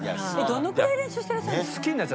どのくらい練習してらっしゃるんですか？